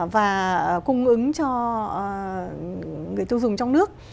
và cung ứng cho người tiêu dùng trong nước